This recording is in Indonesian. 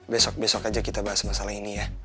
besok besok aja kita bahas masalah ini ya